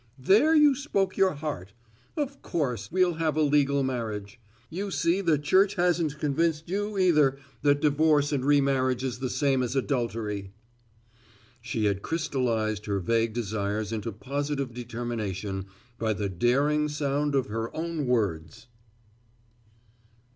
"There spoke your heart. Of course, we'll have a legal marriage. You see the Church hasn't convinced you, either, that divorce and remarriage is the same as adultery." She had crystallized her vague desires into positive determination by the daring sound of her own words.